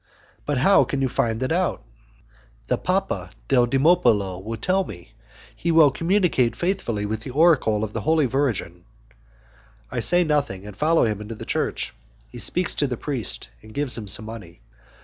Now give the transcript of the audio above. "But how can you find it out?" "The Papa Deldimopulo will tell me; he will communicate faithfully the oracle of the Holy Virgin." I say nothing and follow him into the church; he speaks to the priest, and gives him some money.